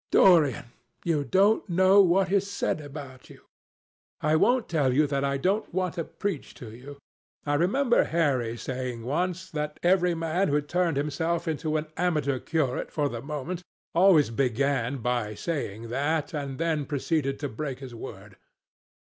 Dorian, you don't know what is said about you. I won't tell you that I don't want to preach to you. I remember Harry saying once that every man who turned himself into an amateur curate for the moment always began by saying that, and then proceeded to break his word.